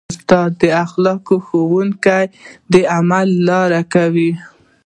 استاد د اخلاقو ښوونه د عمل له لارې کوي.